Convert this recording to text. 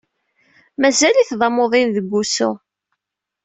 Mazal-it d amuḍin deg wusu.